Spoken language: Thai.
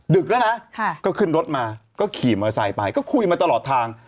ึกแล้วนะก็ขึ้นรถมาก็ขี่มอเตอร์ไซค์ไปก็คุยมาตลอดทาง